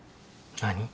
何？